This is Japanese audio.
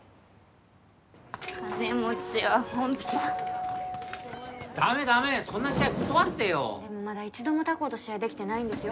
金持ちはホントダメダメそんな試合断ってよでもまだ一度も他校と試合できてないんですよ